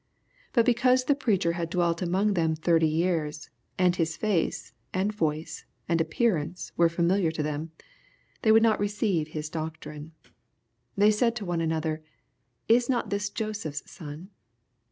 But because the preacher had dwelt among them thirty years, and His face, and voice, and appearance were familiar to them, they would not receive His doctrine. They said to one another, " Is not this Joseph's son